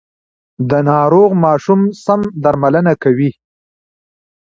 د ناروغ ماشوم سم درملنه کوي.